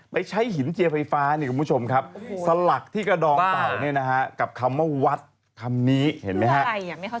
ไปใช้หินเจียไฟฟ้าสลักที่กระดองเต่ากับคำว่าวัดคำนี้เห็นไหมครับ